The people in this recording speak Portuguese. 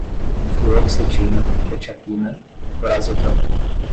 fluoxetina, quetiapina, Lorazepam